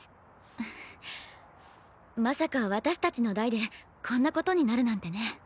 ふっまさか私たちの代でこんなことになるなんてね。